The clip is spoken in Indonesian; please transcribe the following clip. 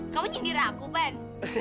kamu nyindir aku ban